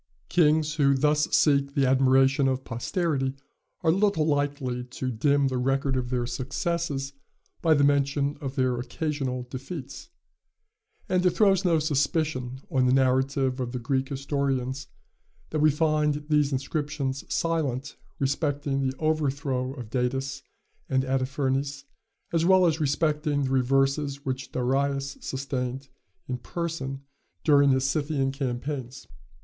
Kings who thus seek the admiration of posterity are little likely to dim the record of their successes by the mention of their occasional defeats; and it throws no suspicion on the narrative of the Greek historians that we find these inscriptions silent respecting the overthrow of Datis and Artaphernes, as well as respecting the reverses which Darius sustained in person during his Scythian campaigns.